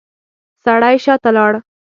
سړی شاته لاړ.